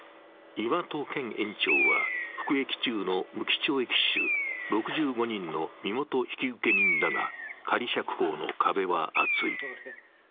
岩戸顕園長は、服役中の無期懲役囚６０人の身元引受人だが、仮釈放の壁は厚い。